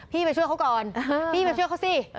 ไปช่วยเขาก่อนพี่มาช่วยเขาสิ